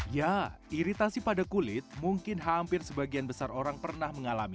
ya iritasi pada kulit mungkin hampir sebagian besar orang pernah mengalami